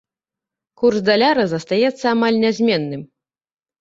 Курс даляра застаецца амаль нязменным.